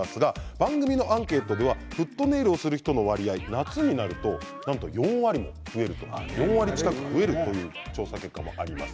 番組のアンケートではフットネイルをする人の割合は夏になると４割近く増えるという調査結果もあります。